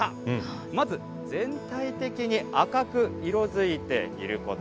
まず、全体的に赤く色づいていること。